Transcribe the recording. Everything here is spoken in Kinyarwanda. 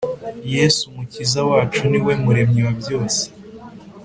Yesu Umukiza wacu ni we Muremyi wa byose